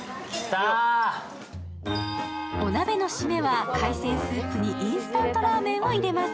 お鍋の締めは海鮮スープにインスタントラーメンを入れます。